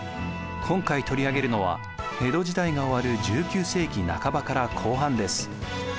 今回取り上げるのは江戸時代が終わる１９世紀半ばから後半です。